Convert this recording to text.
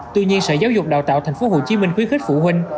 tuy nhiên sở giáo dục đào tạo tp hcm khuyến khích phụ huynh